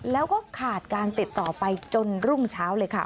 แล้วก็ขาดการติดต่อไปจนรุ่งเช้าเลยค่ะ